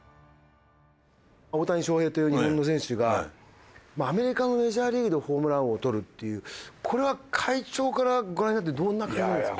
大谷翔平という日本の選手がアメリカのメジャーリーグでホームラン王を取るっていうこれは会長からご覧になってどんな感じなんですか？